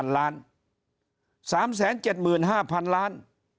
๓๗๕๐๐๐ล้าน